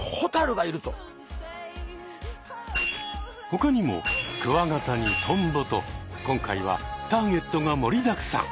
ほかにもクワガタにトンボと今回はターゲットが盛りだくさん！